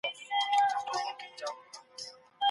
دوی به تمرین روان ساتلي وي.